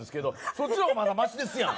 そっちの方がまだましですやん